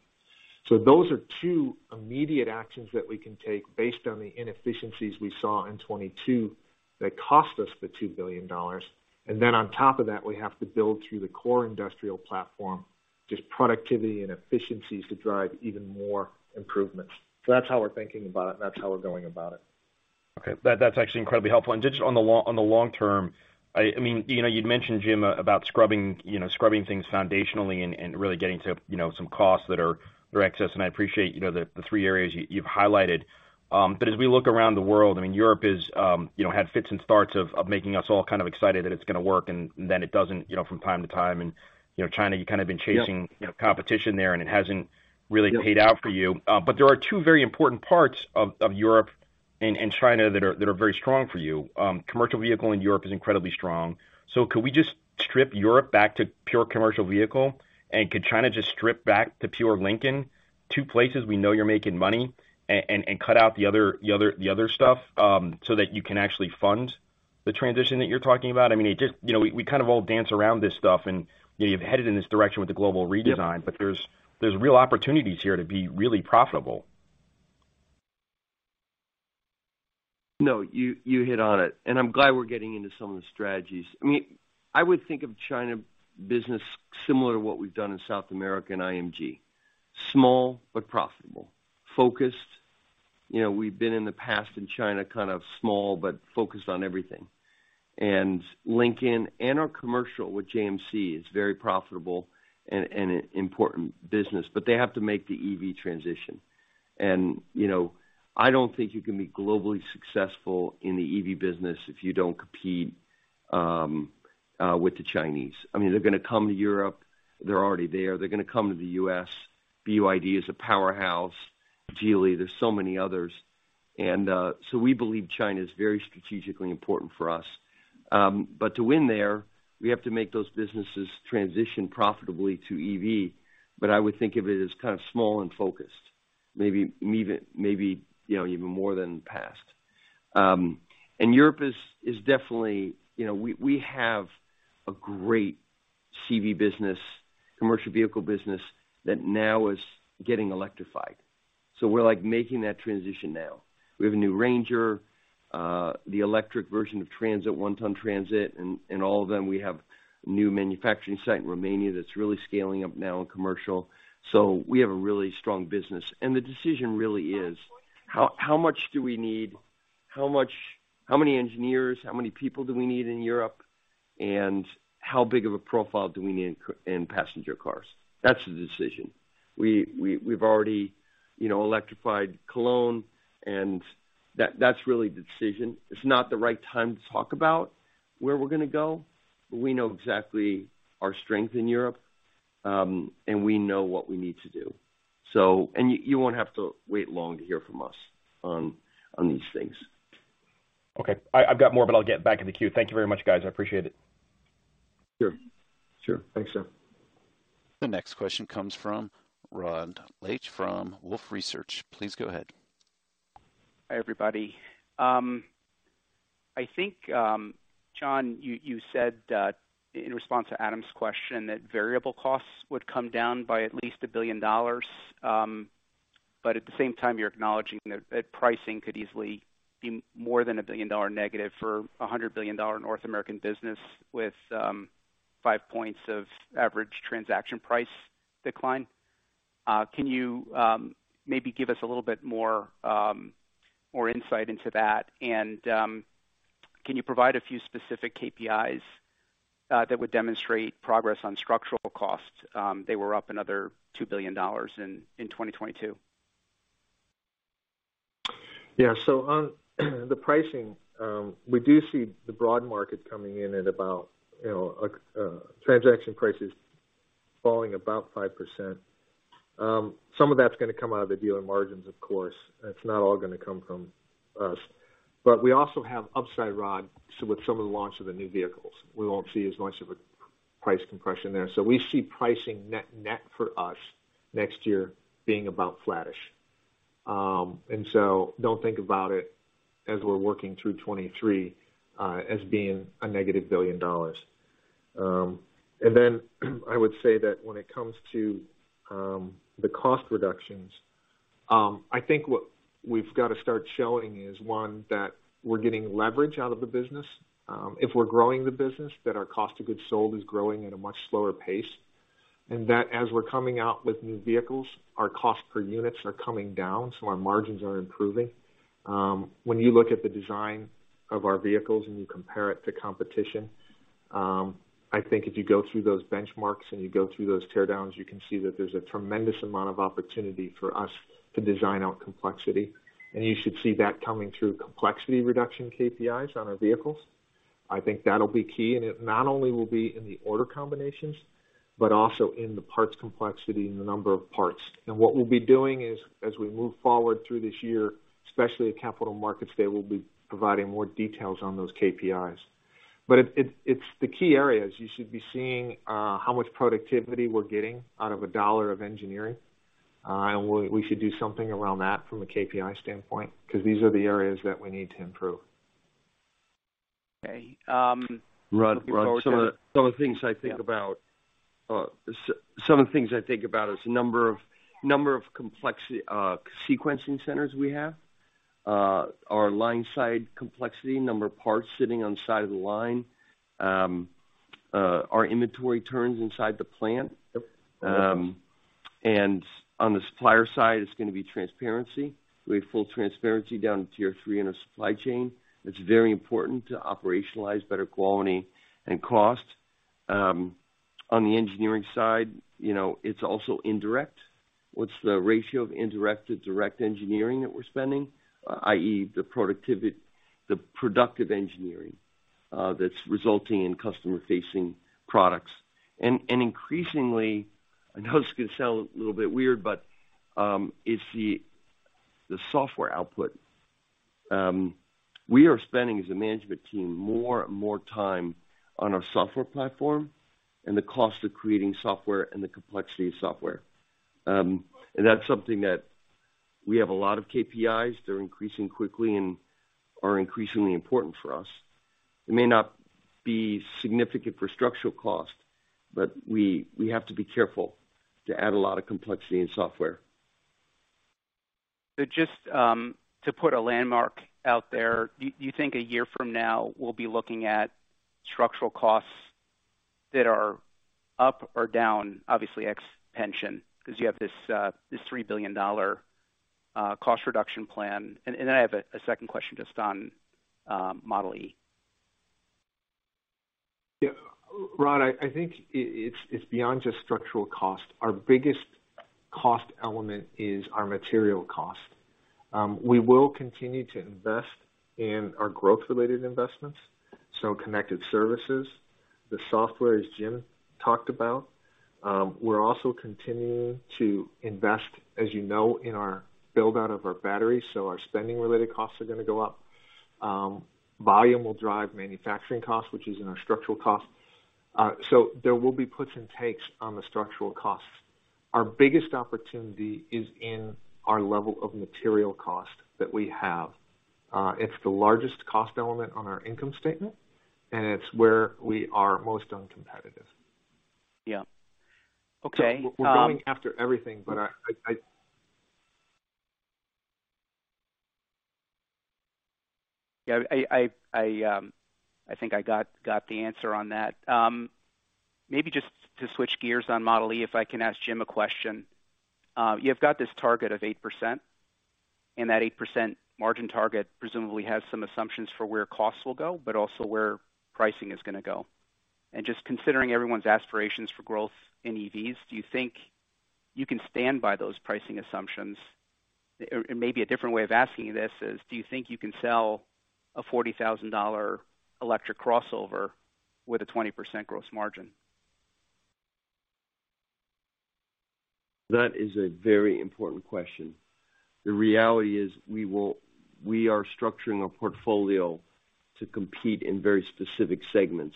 Those are two immediate actions that we can take based on the inefficiencies we saw in 2022 that cost us the $2 billion. On top of that, we have to build to the core industrial platform, just productivity and efficiencies to drive even more improvements. That's how we're thinking about it, and that's how we're going about it. Okay, that's actually incredibly helpful. Just on the long-term, I mean, you know, you'd mentioned, Jim, about scrubbing, you know, scrubbing things foundationally and really getting to, you know, some costs that are excess. I appreciate, you know, the three areas you've highlighted. As we look around the world, I mean, Europe is, you know, had fits and starts of making us all kind of excited that it's gonna work and then it doesn't, you know, from time to time. You know, China, you've kind of been chasing. Yep. you know, competition there, and it hasn't really paid out for you. There are two very important parts of Europe and China that are very strong for you. Commercial vehicle in Europe is incredibly strong. Could we just strip Europe back to pure commercial vehicle and could China just strip back to pure Lincoln, two places we know you're making money, and cut out the other stuff, so that you can actually fund the transition that you're talking about? I mean, it just. You know, we kind of all dance around this stuff, and, you know, you've headed in this direction with the global redesign. Yep. There's real opportunities here to be really profitable. No, you hit on it, I'm glad we're getting into some of the strategies. I mean, I would think of China business similar to what we've done in South America and IMG. Small but profitable. Focused. You know, we've been in the past in China, kind of small but focused on everything. Lincoln and our commercial with JMC is very profitable and an important business, but they have to make the EV transition. You know, I don't think you can be globally successful in the EV business if you don't compete with the Chinese. I mean, they're gonna come to Europe. They're already there. They're gonna come to the U.S. BYD is a powerhouse. Geely, there's so many others. We believe China is very strategically important for us. To win there, we have to make those businesses transition profitably to EV. I would think of it as kind of small and focused, maybe even, you know, even more than in the past. You know, we have a great CV business, commercial vehicle business that now is getting electrified. We're, like, making that transition now. We have a new Ranger, the electric version of Transit, One-Ton Transit, and all of them. We have a new manufacturing site in Romania that's really scaling up now in commercial. We have a really strong business. The decision really is how much do we need? How many engineers, how many people do we need in Europe? How big of a profile do we need in passenger cars? That's the decision. We've already, you know, electrified Cologne, and that's really the decision. It's not the right time to talk about where we're gonna go, but we know exactly our strength in Europe, and we know what we need to do. You won't have to wait long to hear from us on these things. Okay. I've got more, but I'll get back in the queue. Thank you very much, guys. I appreciate it. Sure. Sure. Thanks, Sam. The next question comes from Rod Lache from Wolfe Research. Please go ahead. Hi, everybody. John, you said that in response to Adam's question, that variable costs would come down by at least $1 billion. At the same time, you're acknowledging that pricing could easily be more than a $1 billion negative for a $100 billion North American business with five points of average transaction price decline. Can you maybe give us a little bit more insight into that? Can you provide a few specific KPIs that would demonstrate progress on structural costs? They were up another $2 billion in 2022. Yeah. On the pricing, we do see the broad market coming in at about, you know, transaction prices falling about 5%. Some of that's gonna come out of the dealer margins, of course. It's not all gonna come from us. We also have upside, Rod, so with some of the launch of the new vehicles, we won't see as much of a Price compression there. We see pricing net for us next year being about flattish. Don't think about it as we're working through 2023 as being -$1 billion. I would say that when it comes to the cost reductions, I think what we've got to start showing is, one, that we're getting leverage out of the business. If we're growing the business that our cost of goods sold is growing at a much slower pace, and that as we're coming out with new vehicles, our cost per units are coming down, so our margins are improving. When you look at the design of our vehicles and you compare it to competition, I think if you go through those benchmarks and you go through those teardowns, you can see that there's a tremendous amount of opportunity for us to design out complexity. You should see that coming through complexity reduction KPIs on our vehicles. I think that'll be key. It not only will be in the order combinations, but also in the parts complexity and the number of parts. What we'll be doing is as we move forward through this year, especially at Capital Markets Day, we'll be providing more details on those KPIs. It's the key areas. You should be seeing how much productivity we're getting out of a $1 of engineering. We should do something around that from a KPI standpoint, because these are the areas that we need to improve. Okay. Rod, some of the things I think about is the number of complexity, sequencing centers we have, our line side complexity, number of parts sitting on the side of the line, our inventory turns inside the plant. Yep. On the supplier side, it's gonna be transparency. We have full transparency down to tier 3 in our supply chain. It's very important to operationalize better quality and cost. On the engineering side, you know, it's also indirect. What's the ratio of indirect to direct engineering that we're spending, i.e., the productivity, the productive engineering that's resulting in customer-facing products. Increasingly, I know this is gonna sound a little bit weird, but it's the software output. We are spending as a management team more and more time on our software platform and the cost of creating software and the complexity of software. That's something that we have a lot of KPIs. They're increasing quickly and are increasingly important for us. It may not be significant for structural cost, but we have to be careful to add a lot of complexity in software. To put a landmark out there, do you think a year from now we'll be looking at structural costs that are up or down, obviously ex pension, because you have this $3 billion cost reduction plan? I have a second question just on Model e. Rod, I think it's beyond just structural cost. Our biggest cost element is our material cost. We will continue to invest in our growth-related investments, so connected services, the software, as Jim talked about. We're also continuing to invest, as you know, in our build out of our batteries, so our spending related costs are gonna go up. Volume will drive manufacturing costs, which is in our structural cost. There will be puts and takes on the structural costs. Our biggest opportunity is in our level of material cost that we have. It's the largest cost element on our income statement, and it's where we are most uncompetitive. Yeah. Okay. We're going after everything, but Yeah, I think I got the answer on that. Maybe just to switch gears on Model E, if I can ask Jim a question. You've got this target of 8%, and that 8% margin target presumably has some assumptions for where costs will go, but also where pricing is gonna go. Just considering everyone's aspirations for growth in EVs, do you think you can stand by those pricing assumptions? Or maybe a different way of asking you this is, do you think you can sell a $40,000 electric crossover with a 20% gross margin? That is a very important question. The reality is we are structuring our portfolio to compete in very specific segments.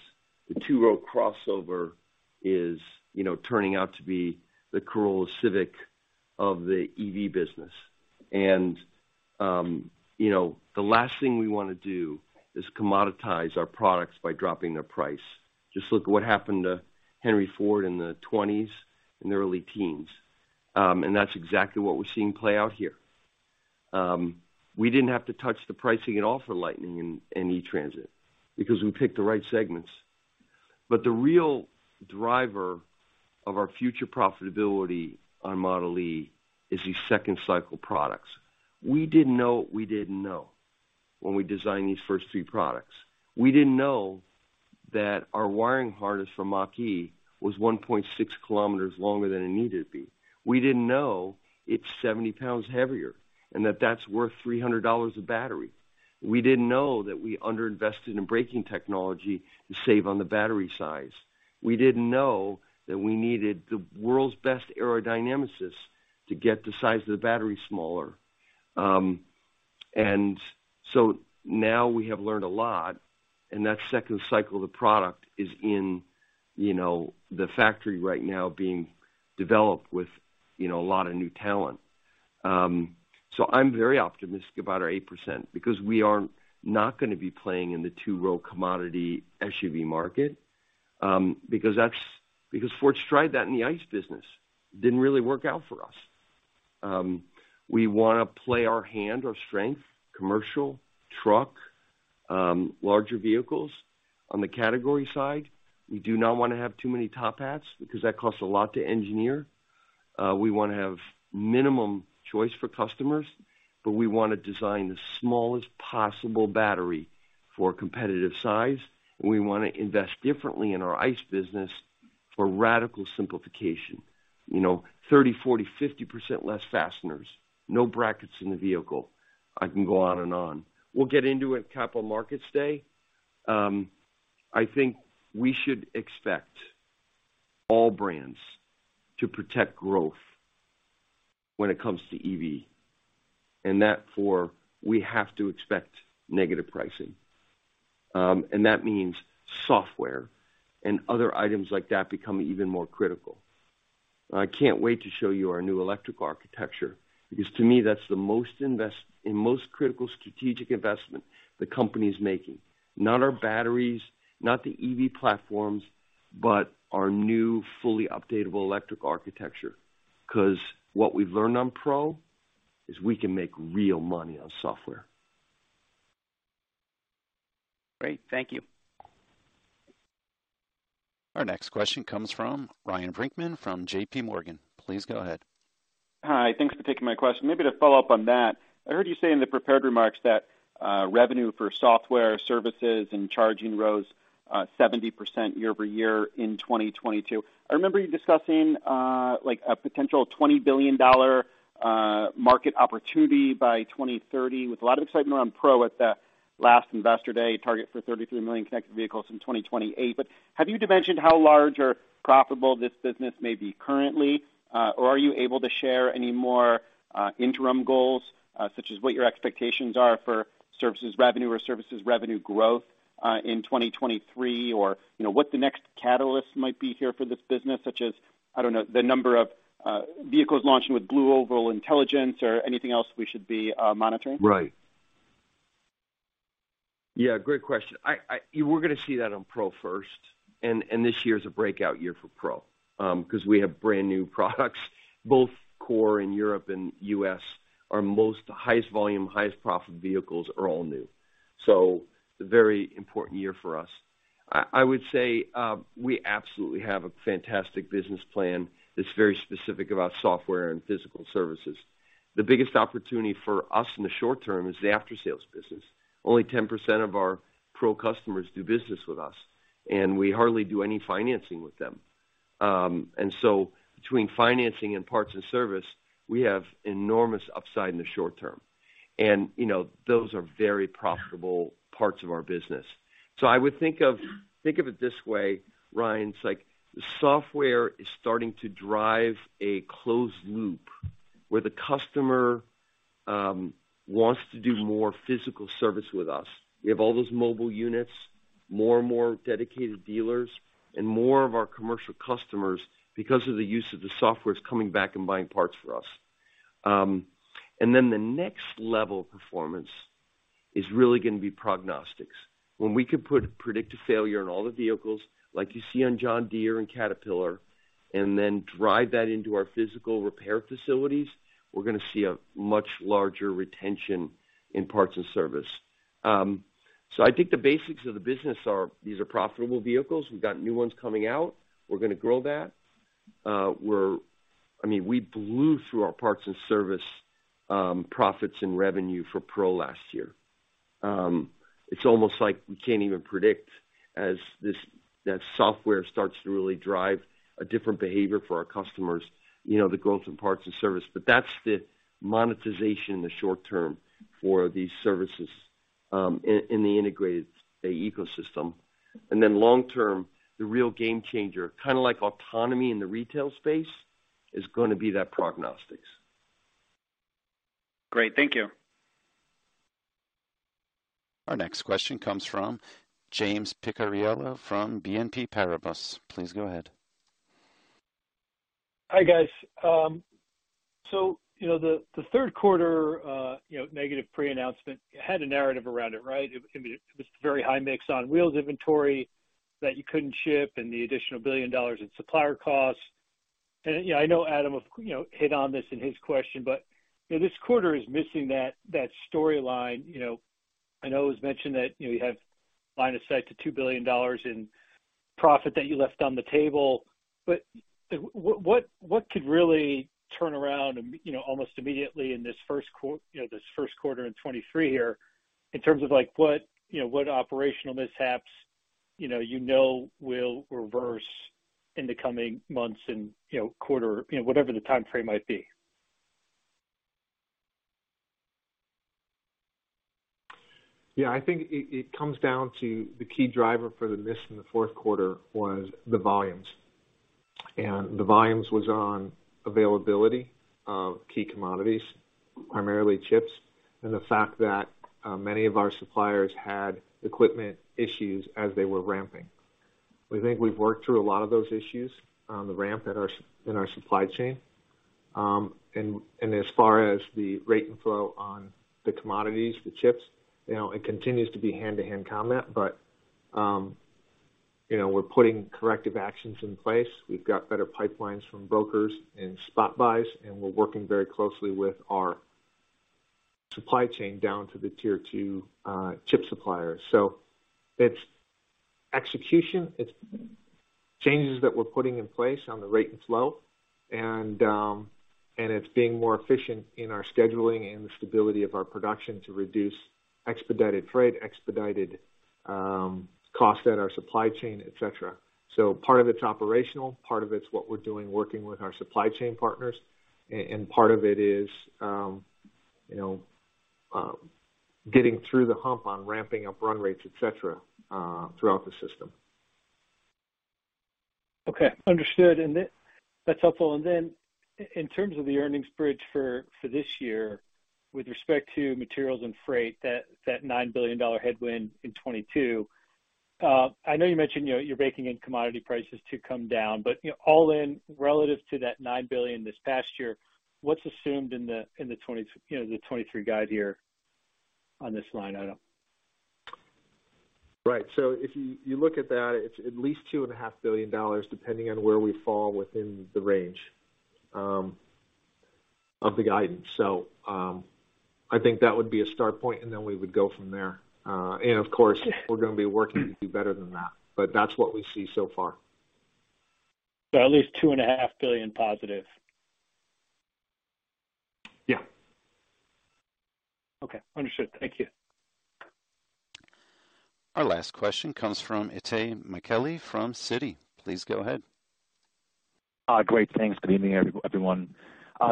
The two-row crossover is, you know, turning out to be the Corolla Civic of the EV business. You know, the last thing we wanna do is commoditize our products by dropping their price. Just look at what happened to Henry Ford in the twenties and the early teens. That's exactly what we're seeing play out here. We didn't have to touch the pricing at all for Lightning and E-Transit because we picked the right segments. The real driver of our future profitability on Model E is these second cycle products. We didn't know what we didn't know when we designed these first three products. We didn't know that our wiring harness from Mach-E was 1.6 km longer than it needed to be. We didn't know it's 70 lbs heavier, and that that's worth $300 a battery. We didn't know that we underinvested in braking technology to save on the battery size. We didn't know that we needed the world's best aerodynamicist to get the size of the battery smaller. Now we have learned a lot, and that second cycle of the product is in, you know, the factory right now being developed with, you know, a lot of new talent. I'm very optimistic about our 8% because we are not gonna be playing in the two-row commodity SUV market, because Ford's tried that in the ICE business. It didn't really work out for us. We wanna play our hand, our strength, commercial, truck, larger vehicles. On the category side, we do not wanna have too many top hats because that costs a lot to engineer. We wanna have minimum choice for customers, but we wanna design the smallest possible battery for competitive size, and we wanna invest differently in our ICE business for radical simplification. You know, 30%, 40%, 50% less fasteners, no brackets in the vehicle. I can go on and on. We'll get into it in Capital Markets Day. I think we should expect all brands to protect growth when it comes to EV, and that for we have to expect negative pricing. That means software and other items like that become even more critical. I can't wait to show you our new electric architecture because to me, that's the most critical strategic investment the company's making. Not our batteries, not the EV platforms, but our new, fully updatable electric architecture. 'Cause what we've learned on Pro is we can make real money on software. Great. Thank you. Our next question comes from Ryan Brinkman from JPMorgan. Please go ahead. Hi. Thanks for taking my question. Maybe to follow up on that, I heard you say in the prepared remarks that revenue for software services and charging rose 70% year-over-year in 2022. I remember you discussing, like, a potential $20 billion market opportunity by 2030 with a lot of excitement around Pro at the last Investor Day target for 33 million connected vehicles in 2028. Have you dimensioned how large or profitable this business may be currently, or are you able to share any more, interim goals, such as what your expectations are for services revenue or services revenue growth, in 2023, or, you know, what the next catalyst might be here for this business, such as, I don't know, the number of vehicles launching with BlueOval Intelligence or anything else we should be monitoring? Right. Yeah, great question. I We're gonna see that on Pro first, and this year is a breakout year for Pro, 'cause we have brand-new products, both core in Europe and U.S., our most highest volume, highest profit vehicles are all new. A very important year for us. I would say, we absolutely have a fantastic business plan that's very specific about software and physical services. The biggest opportunity for us in the short term is the after-sales business. Only 10% of our Pro customers do business with us, and we hardly do any financing with them. Between financing and parts and service, we have enormous upside in the short term. You know, those are very profitable parts of our business. I would think of, think of it this way, Ryan, it's like the software is starting to drive a closed loop where the customer wants to do more physical service with us. We have all those mobile units, more and more dedicated dealers and more of our commercial customers because of the use of the software is coming back and buying parts for us. And then the next level of performance is really gonna be prognostics. When we can predict a failure on all the vehicles like you see on John Deere and Caterpillar and then drive that into our physical repair facilities, we're gonna see a much larger retention in parts and service. I think the basics of the business are these are profitable vehicles. We've got new ones coming out. We're gonna grow that. I mean, we blew through our parts and service, profits and revenue for Ford Pro last year. It's almost like we can't even predict as that software starts to really drive a different behavior for our customers, you know, the growth in parts and service. That's the monetization in the short term for these services, in the integrated ecosystem. Long term, the real game changer, kinda like autonomy in the retail space, is gonna be that prognostics. Great. Thank you. Our next question comes from James Picariello from BNP Paribas. Please go ahead. Hi, guys. You know, the Q3, you know, negative pre-announcement had a narrative around it, right? It was very high mix on wheels inventory that you couldn't ship and the additional $1 billion in supplier costs. You know, I know Adam, you know, hit on this in his question, but, you know, this quarter is missing that storyline. You know, I know it was mentioned that, you know, you have line of sight to $2 billion in profit that you left on the table, but what could really turn around, you know, almost immediately in this Q1 in 23 here in terms of, like, what, you know, what operational mishaps, you know, will reverse in the coming months and, you know, quarter, whatever the time frame might be? Yeah, I think it comes down to the key driver for the miss in the Q4 was the volumes. The volumes was on availability of key commodities, primarily chips, and the fact that many of our suppliers had equipment issues as they were ramping. We think we've worked through a lot of those issues on the ramp in our supply chain. As far as the rate and flow on the commodities, the chips, you know, it continues to be hand-to-hand combat, but, you know, we're putting corrective actions in place. We've got better pipelines from brokers and spot buys, and we're working very closely with our supply chain down to the tier two chip suppliers. It's execution, it's changes that we're putting in place on the rate and flow, and it's being more efficient in our scheduling and the stability of our production to reduce expedited freight, expedited costs at our supply chain, et cetera. Part of it's operational, part of it's what we're doing working with our supply chain partners, and part of it is, you know, getting through the hump on ramping up run rates, et cetera, throughout the system. Okay. Understood. That's helpful. Then in terms of the earnings bridge for this year with respect to materials and freight, that $9 billion headwind in 2022, I know you mentioned, you know, you're baking in commodity prices to come down, but, you know, all in relative to that $9 billion this past year, what's assumed in the, in the you know, the 2023 guide here on this line item? Right. If you look at that, it's at least two and a half billion dollars, depending on where we fall within the range of the guidance. I think that would be a start point, and then we would go from there. Of course, we're gonna be working to do better than that, but that's what we see so far. At least $2 and a half billion positive. Yeah. Okay. Understood. Thank you. Our last question comes from Itay Michaeli from Citi. Please go ahead. Great. Thanks. Good evening, everyone.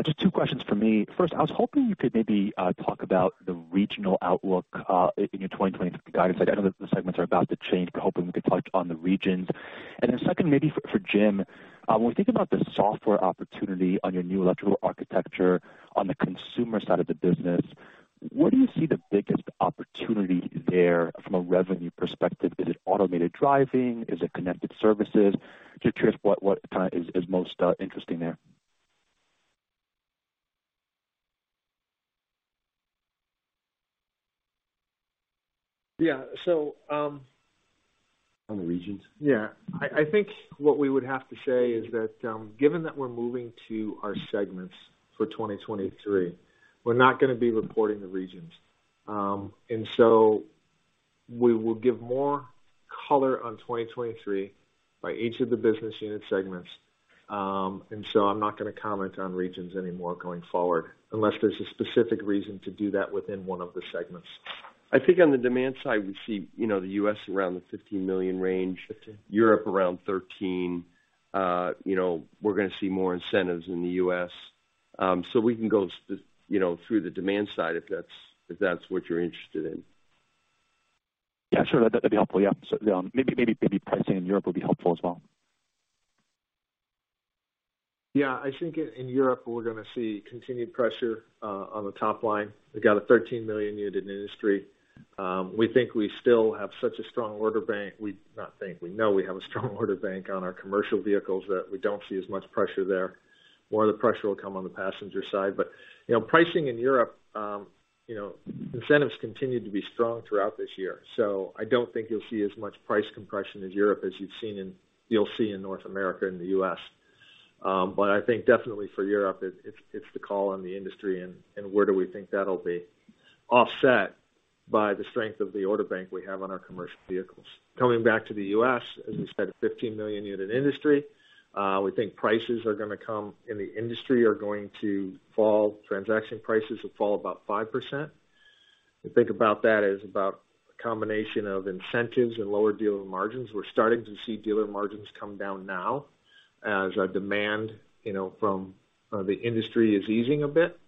Just two questions for me. First, I was hoping you could maybe talk about the regional outlook in your 2023 guidance. I know the segments are about to change, but hoping we could touch on the regions. Second, maybe for Jim, when we think about the software opportunity on your new electrical architecture on the consumer side of the business, where do you see the biggest opportunity there from a revenue perspective? Is it automated driving? Is it connected services? Curious what kinda is most interesting there. Yeah. On the regions? Yeah. I think what we would have to say is that, given that we're moving to our segments for 2023, we're not gonna be reporting the regions. We will give more color on 2023 by each of the business unit segments. I'm not gonna comment on regions anymore going forward unless there's a specific reason to do that within one of the segments. I think on the demand side, we see, you know, the U.S. around the 15 million range. 15. Europe around 13. you know, we're gonna see more incentives in the U.S. we can go you know, through the demand side if that's, if that's what you're interested in. Yeah, sure. That'd be helpful. Yeah. Maybe pricing in Europe would be helpful as well. I think in Europe, we're gonna see continued pressure on the top line. We've got a 13 million unit industry. We think we still have such a strong order bank. We know we have a strong order bank on our commercial vehicles that we don't see as much pressure there. More of the pressure will come on the passenger side. You know, pricing in Europe, you know, incentives continue to be strong throughout this year. I don't think you'll see as much price compression in Europe as you've seen, you'll see in North America and the U.S. I think definitely for Europe, it's, it's the call on the industry and where do we think that'll be offset by the strength of the order bank we have on our commercial vehicles. Coming back to the US, as we said, a 15 million unit industry, we think prices are gonna come in the industry are going to fall. Transaction prices will fall about 5%. We think about that as about a combination of incentives and lower dealer margins. We're starting to see dealer margins come down now as our demand, you know, from the industry is easing a bit,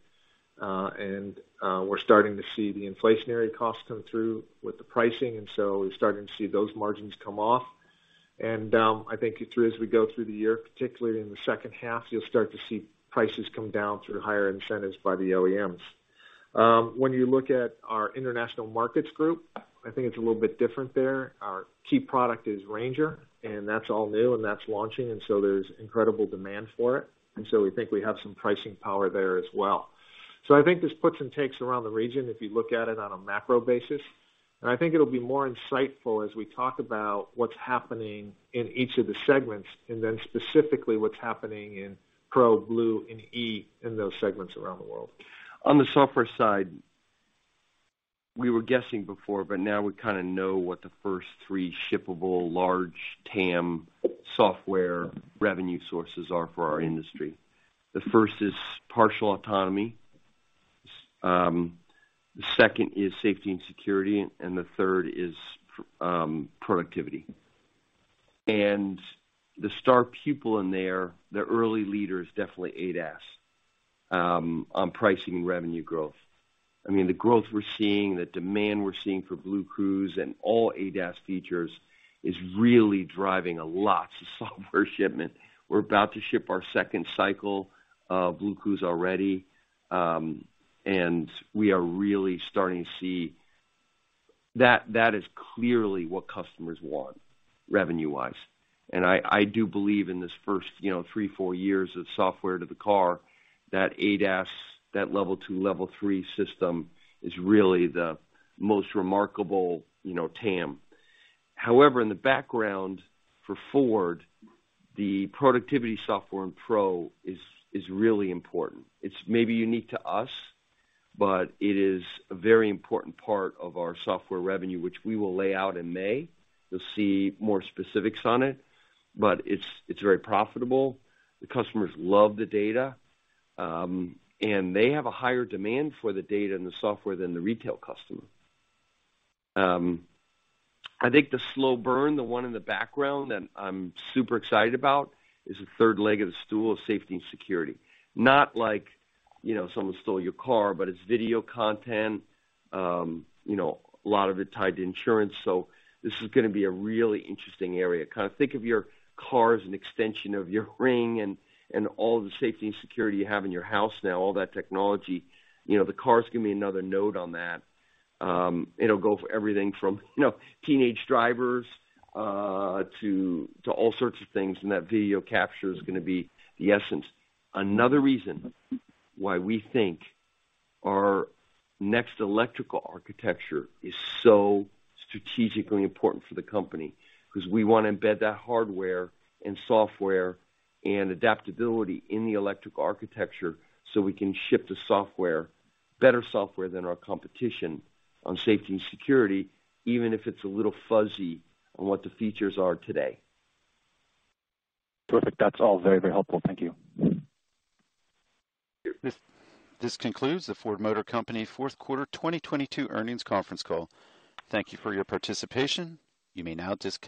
and we're starting to see the inflationary costs come through with the pricing, and so we're starting to see those margins come off. I think through as we go through the year, particularly in the second half, you'll start to see prices come down through higher incentives by the OEMs. When you look at our international markets group, I think it's a little bit different there. Our key product is Ranger, and that's all new and that's launching, and so there's incredible demand for it. We think we have some pricing power there as well. I think there's puts and takes around the region if you look at it on a macro basis. I think it'll be more insightful as we talk about what's happening in each of the segments, and then specifically what's happening in Pro, Blue, and E in those segments around the world. On the software side, we were guessing before, but now we kind of know what the first three shippable large TAM software revenue sources are for our industry. The first is partial autonomy, the second is safety and security, and the third is productivity. The star pupil in there, the early leader is definitely ADAS on pricing revenue growth. I mean, the growth we're seeing, the demand we're seeing for BlueCruise and all ADAS features is really driving a lot to software shipment. We're about to ship our second cycle of BlueCruise already. And we are really starting to see that is clearly what customers want revenue-wise. I do believe in this first, you know, three, four years of software to the car, that ADAS, that level two, level three system is really the most remarkable, you know, TAM. In the background for Ford, the productivity software in Pro is really important. It's maybe unique to us, but it is a very important part of our software revenue, which we will lay out in May. You'll see more specifics on it, but it's very profitable. The customers love the data, and they have a higher demand for the data and the software than the retail customer. I think the slow burn, the one in the background that I'm super excited about, is the third leg of the stool of safety and security. Not like, you know, someone stole your car, but it's video content. You know, a lot of it tied to insurance. This is gonna be a really interesting area. Kinda think of your car as an extension of your Ring and all the safety and security you have in your house now, all that technology. You know, the car's gonna be another node on that. It'll go for everything from, you know, teenage drivers, to all sorts of things, and that video capture is gonna be the essence. Another reason why we think our next electrical architecture is so strategically important for the company, 'cause we wanna embed that hardware and software and adaptability in the electrical architecture, so we can ship the software, better software than our competition on safety and security, even if it's a little fuzzy on what the features are today. Perfect. That's all. Very, very helpful. Thank you. This concludes the Ford Motor Company Q4 2022 earnings conference call. Thank you for your participation. You may now disconnect.